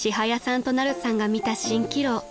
んとナルさんが見た蜃気楼］